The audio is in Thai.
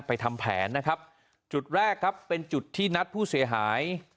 ทำแผนนะครับจุดแรกครับเป็นจุดที่นัดผู้เสียหาย